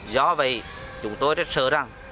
do vậy chúng tôi rất sợ rằng